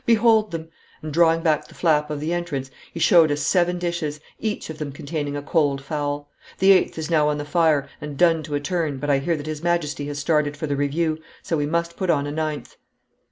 'Behold them!' and, drawing back the flap of the entrance, he showed us seven dishes, each of them containing a cold fowl. 'The eighth is now on the fire and done to a turn, but I hear that His Majesty has started for the review, so we must put on a ninth.'